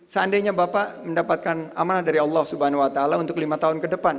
seandainya bapak mendapatkan amanah dari allah swt untuk lima tahun ke depan